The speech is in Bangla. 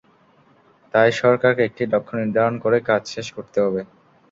তাই সরকারকে একটি লক্ষ্য নির্ধারণ করে কাজ শেষ করতে হবে।